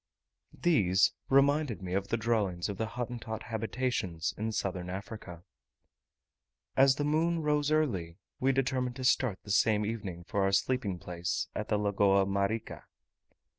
These, from their regular form and position, reminded me of the drawings of the Hottentot habitations in Southern Africa. As the moon rose early, we determined to start the same evening for our sleeping place at the Lagoa Marica.